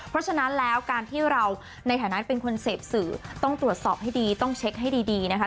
เพราะฉะนั้นแล้วการที่เราในฐานะเป็นคนเสพสื่อต้องตรวจสอบให้ดีต้องเช็คให้ดีนะคะ